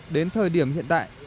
đến thời điểm hiện tại